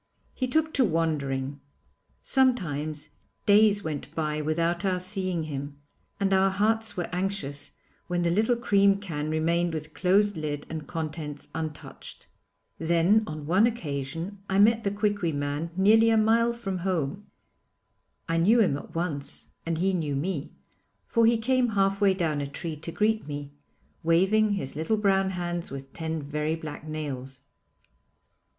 He took to wandering. Sometimes days went by without our seeing him, and our hearts were anxious when the little cream can remained with closed lid and contents untouched. Then on one occasion I met the Quiqui man nearly a mile from home. I knew him at once and he knew me, for he came half way down a tree to greet me, waving his little brown hands with ten very black nails.